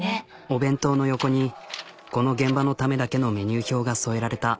お弁当の横にこの現場のためだけのメニュー表が添えられた。